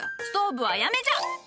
ストーブはやめじゃ！